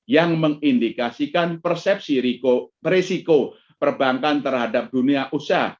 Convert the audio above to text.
yang mengindikasikan persepsi risiko perbankan terhadap dunia usaha